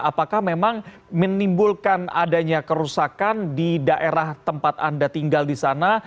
apakah memang menimbulkan adanya kerusakan di daerah tempat anda tinggal di sana